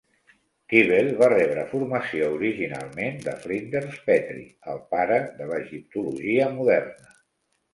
Quibell va rebre formació originalment de Flinders Petrie, el pare de l'egiptologia moderna.